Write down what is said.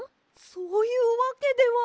そういうわけでは。